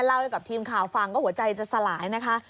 เล่าให้กับทีมข่าวฟังก็หัวใจจะสลายนะคะ